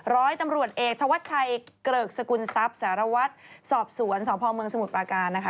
ร้อยตำรวจเอกธวัชชัยเกริกสกุลทรัพย์สารวัตรสอบสวนสพเมืองสมุทรปราการนะคะ